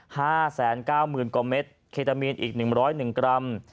๕๙๐๐๐๐กว่าเม็ดเคตามีนอีก๑๐๑กรัม